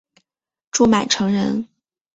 朱买臣人。